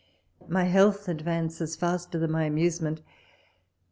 . My health advances faster than my amusement.